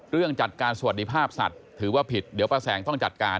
เรื่องจัดการสวัสดิภาพสัตว์ถือว่าผิดเดี๋ยวป้าแสงต้องจัดการ